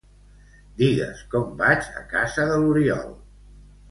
Digues com vaig a casa de l'Oriol.